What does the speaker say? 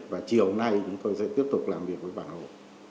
và chiều hôm nay chúng tôi sẽ tiếp tục làm việc với bản hồ